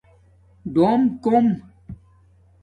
ڈݸم کُوم